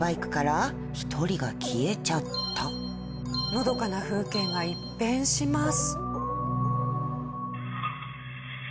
お次はのどかな風景が一変します。